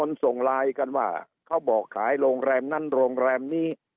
ส่งไลน์กันว่าเขาบอกขายโรงแรมนั้นโรงแรมนี้